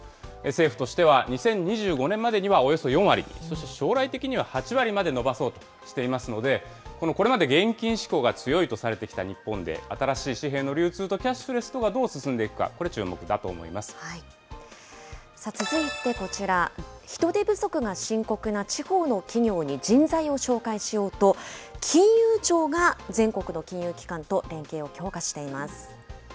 政府としては２０２５年までにはおよそ４割、そして将来的には８割まで伸ばそうとしていますので、これまで現金志向が強いとされてきた日本で、新しい紙幣の流通とキャッシュレスとがどう進んでいくか、これ、さあ続いて、こちら、人手不足が深刻な地方の企業に人材を紹介しようと、金融庁が全国の金融機関と連携を強化しています。